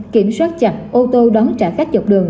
kiểm soát chặt ô tô đón trả khách dọc đường